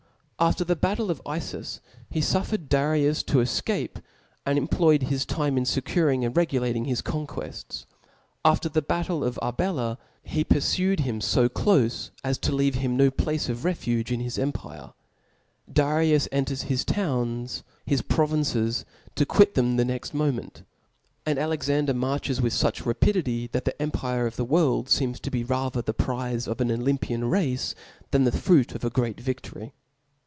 After the battle of IfTus, he fufFered Darius to efcape, and employed his time in fpcuring and re gulating his conqupfts : after the battle of Arbela^ (d)SeeAi {^g pyjj^g^j him fo clofe (), as to leave him no nan de *^^^. i .. r^ • cxpedit. place of Ihelter m his empire. Darius enters his diC^^^' towns, his provinces, to quit them the next mo ment ; and Alexander marches with fuch rapidity, that the empire of the world fecms to be rather the prize of an Olympian race, than the fruit of a great viftory.